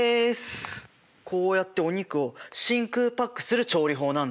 こうやってお肉を真空パックする調理法なんだ。